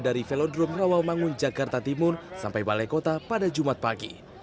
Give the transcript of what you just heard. dari velodrome rawamangun jakarta timur sampai balai kota pada jumat pagi